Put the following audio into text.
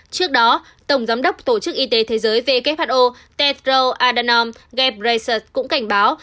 trước đó tổng giám đốc tổ chức y tế thế giới who tedro adhanom ghebreyesus cũng cảnh báo